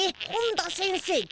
本田先生